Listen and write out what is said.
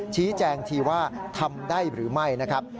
ชี้แจงทีว่าทำได้หรือไม่นะครับ